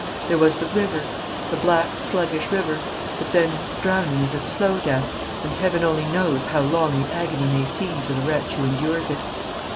There was the river, the black, sluggish river: but then, drowning is a slow death, and Heaven only knows how long the agony may seem to the wretch who endures it!